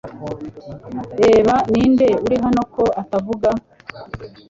Reba ninde uri hano ko atavuga